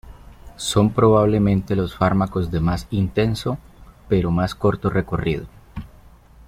Son probablemente los fármacos de más intenso pero más corto recorrido.